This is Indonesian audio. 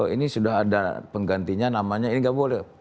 ini sudah ada penggantinya namanya ini nggak boleh